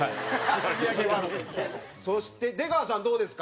蛍原：そして出川さん、どうですか？